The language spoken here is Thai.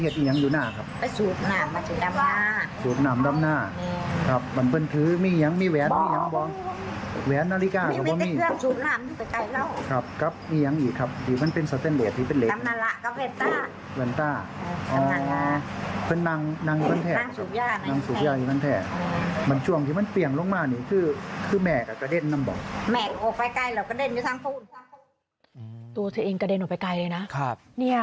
ตัวเธอเองกระเด็นออกไปไกลเลยนะ